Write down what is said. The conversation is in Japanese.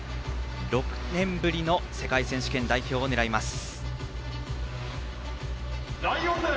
６年ぶりの世界選手権代表を狙います。